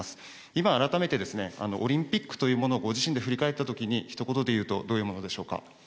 今、改めて、オリンピックというものをご自身で振り返ったときに、ひと言でいうとどういうものでしょうか。